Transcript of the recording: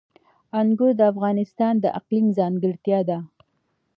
انګور د افغانستان د اقلیم ځانګړتیا ده.